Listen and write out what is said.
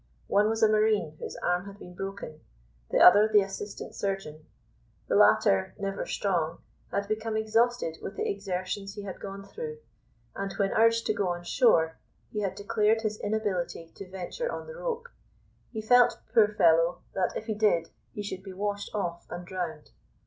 One was a marine, whose arm had been broken; the other the assistant surgeon. The latter, never strong, had become exhausted with the exertions he had gone through; and, when urged to go on shore, he had declared his inability to venture on the rope. He felt, poor fellow, that if he did, he should be washed off and drowned.